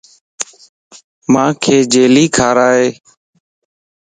مانک جيلي کارائي